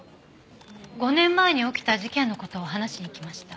５年前に起きた事件の事を話しに行きました。